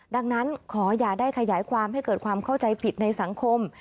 ดังนั้นขออย่าได้ขยายความให้เกิดความเข้าใจผิดในสังคม